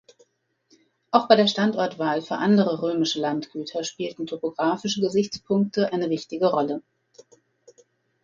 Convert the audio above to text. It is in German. Auch bei der Standortwahl für andere römische Landgüter spielten topographische Gesichtspunkte eine wichtige Rolle.